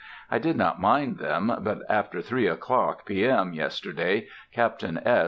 I did not mind them, but about three o'clock, P. M., yesterday, Captain S.